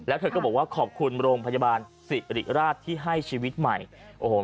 แล้วเธอก็บอกว่าขอบคุณโรงพยาบาลสิริราชที่ให้ชีวิตใหม่โอ้โห